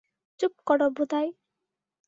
চুপ করো, ভোদাই।